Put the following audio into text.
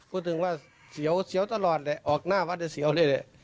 พูดถึงว่าเสียวตลอดออกหน้าว่าจะเสียวเลย